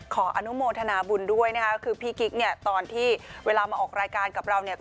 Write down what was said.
ขออนุโมทนาบุญด้วยนะคะคือพี่กิ๊กเนี่ยตอนที่เวลามาออกรายการกับเราเนี่ย